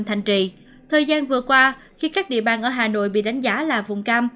tây trị thời gian vừa qua khi các địa bang ở hà nội bị đánh giá là vùng cam